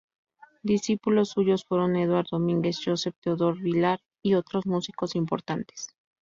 Discípulos suyos fueron Eduard Domínguez, Josep Teodor Vilar y otros músicos importantes.